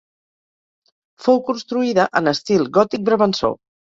Fou construïda en estil gòtic brabançó.